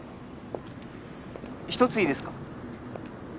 一ついいですか？